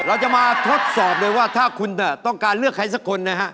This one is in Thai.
เราจะมาทดสอบเลยว่าถ้าคุณต้องการเลือกใครสักคนนะฮะ